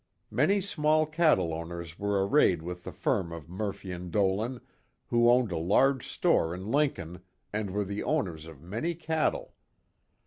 Many small cattle owners were arrayed with the firm of Murphy and Dolan, who owned a large store in Lincoln, and were the owners of many cattle.